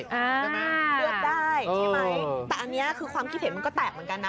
เรียกได้ใช่ไหมแต่อันนี้ความคิดเห็นก็แตกเหมือนกันนะ